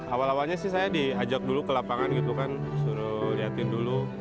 awal awalnya sih saya diajak dulu ke lapangan gitu kan suruh liatin dulu